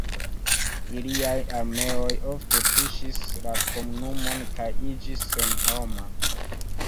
Iliaj armeoj ofte tuŝis la komunumon kaj iĝis senhoma.